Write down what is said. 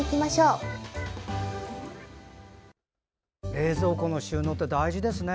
冷蔵庫収納って大事ですね。